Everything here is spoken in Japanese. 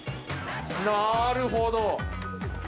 なるほど！